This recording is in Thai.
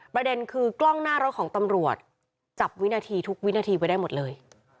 ประเด็นคือกล้องหน้ารถของตำรวจจับวินาทีทุกวินาทีไว้ได้หมดเลย